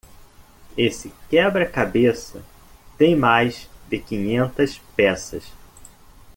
Esse quebra-cabeça tem mais de quinhentas peças.